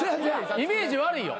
イメージ悪いよ。